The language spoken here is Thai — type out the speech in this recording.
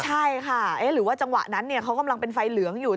ใช่ค่ะหรือว่าจังหวะนั้นเขากำลังเป็นไฟเหลืองอยู่